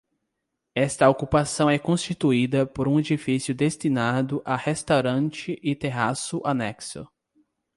Esta ocupação é constituída por um edifício destinado a restaurante e terraço anexo.